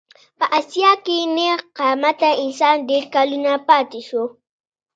په اسیا کې نېغ قامته انسان ډېر کلونه پاتې شو.